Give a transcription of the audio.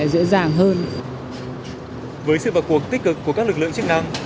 với sự vật cuộc tích cực của các lực lượng chức năng